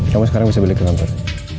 kamu sekarang bisa balik ke kampung